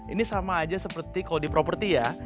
ini sama aja seperti kalau di properti ya